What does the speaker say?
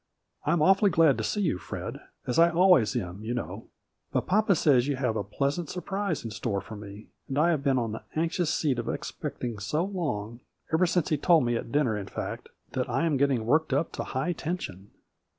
" I am awfully glad to see you, Fred, as I always am, you know ; but papa says you have a pleasant surprise in store for me, and I have been on the k anxious seat of expecting so long ever since he told me at dinner in fact, that I I am getting worked up to a high tension."